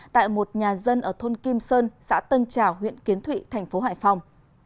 tại một nhà dân ở thôn kim sơn xã tân trào huyện kiến thụy tp hải phòng